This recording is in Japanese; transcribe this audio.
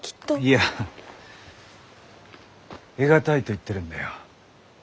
いや得難いと言ってるんだよ。